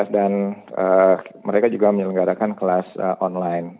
dan mereka juga menyelenggarakan kelas online